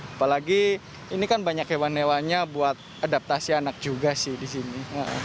apalagi ini kan banyak hewan hewannya buat adaptasi anak juga sih di sini